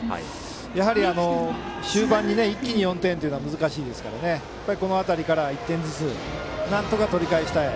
やはり終盤に一気に４点は難しいですから、この辺りから１点ずつ、なんとか取り返したい。